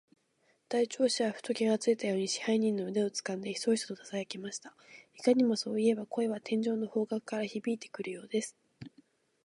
大鳥氏はふと気がついたように、支配人の腕をつかんで、ヒソヒソとささやきました。いかにも、そういえば、声は天井の方角からひびいてくるようです。